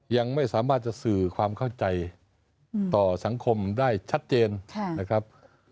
ยังไม่สามารถจะสื่อความเข้าใจต่อสังคมได้ชัดเจนนะครับ